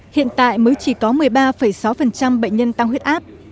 hiện tại mới chỉ có một mươi ba sáu bệnh nhân tăng huyết áp